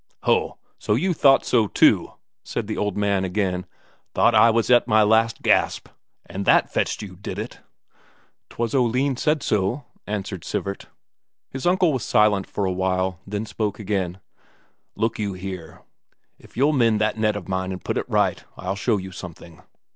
"Ho, so you thought so, too?" said the old man again. "Thought I was at my last gasp, and that fetched you, did it?" "'Twas Oline said so," answered Sivert. His uncle was silent for a while, then spoke again: "Look you here. If you'll mend that net of mine and put it right, I'll show you something."